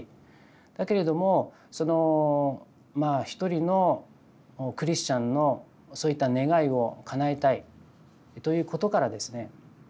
だけれどもそのまあ１人のクリスチャンのそういった願いをかなえたいということからですね